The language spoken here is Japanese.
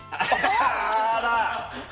あら！